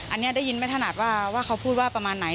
อันนี้ได้ยินไม่ถนัดว่าเขาพูดว่าประมาณไหน